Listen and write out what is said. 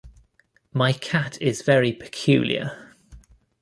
My cat is very peculiar.